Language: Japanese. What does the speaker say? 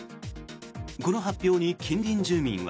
この発表に近隣住民は。